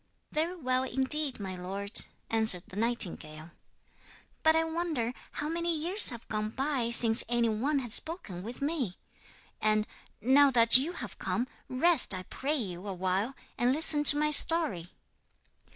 'Very well indeed, my lord,' answered the nightingale; 'but I wonder how many years have gone by since any one has spoken with me. And, now that you have come, rest, I pray you, awhile, and listen to my story.'